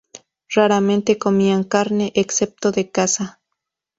Raramente comían carne, excepto de caza.